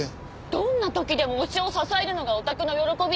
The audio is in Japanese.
どんな時でも推しを支えるのがオタクの喜び。